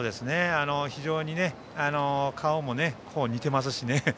非常に顔も似ていますしね。